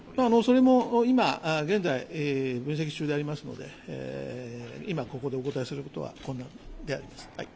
それも今現在、分析中でありますので今ここでお答えすることは困難であります。